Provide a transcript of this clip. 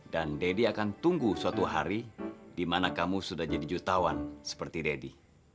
dan daddy akan tunggu suatu hari di mana kamu sudah jadi jutawan seperti daddy